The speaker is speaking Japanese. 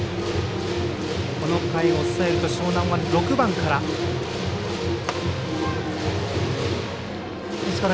この回、抑えると樟南は６番から。